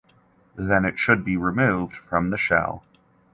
Then it should be removed from the shell.